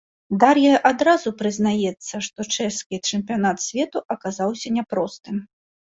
Дар'я адразу прызнаецца, што чэшскі чэмпіянат свету аказаўся няпростым.